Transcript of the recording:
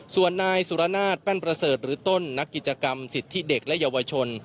ส่วนนายสุรนาศแป้นประเสริฐหรือต้นนักกิจกรรมสิทธิเด็กและเยาวชน